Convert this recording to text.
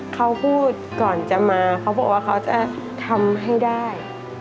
เขาพูดก่อนจะมาเขาบอกว่าเขาจะทำให้ได้